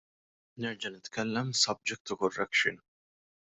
Nerġa' nitkellem subject to correction.